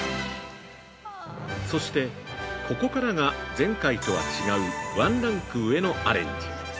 そして、ここからが前回とは違うワンランク上のアレンジ。